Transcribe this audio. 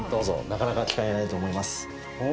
なかなか機会ないと思います。